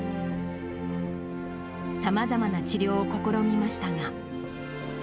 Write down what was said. さまざまな治療を試みましたが。